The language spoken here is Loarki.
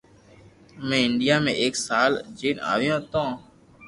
امو انڌيا مي ايڪ سال اجين آويو ھتو